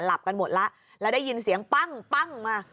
หลับกันหมดแล้วแล้วได้ยินเสียงปั้งมา